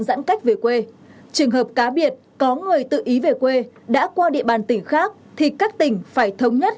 giãn cách về quê trường hợp cá biệt có người tự ý về quê đã qua địa bàn tỉnh khác thì các tỉnh phải thống nhất